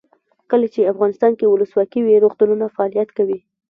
کله چې افغانستان کې ولسواکي وي روغتونونه فعالیت کوي.